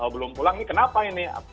belum pulang ini kenapa ini